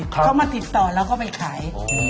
เขามาติดต่อแล้วก็ไปขาย